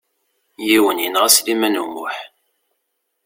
Yiwen yenɣa Sliman U Muḥ.